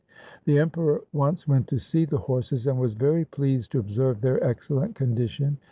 The Emperor once went to see the horses and was very pleased to observe their excellent condition.